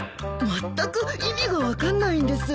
まったく意味が分かんないんです。